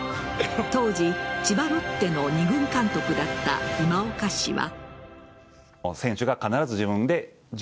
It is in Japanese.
当時、千葉ロッテの２軍監督だった今岡氏は。